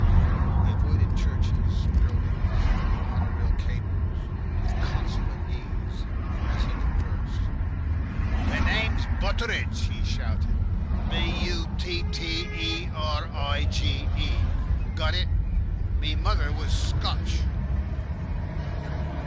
He avoided churches, buildings, and mono rail cables with consummate ease as he conversed. "Me name's Butteridge," he shouted; "B U T T E R I D G E. Got it? Me mother was Scotch."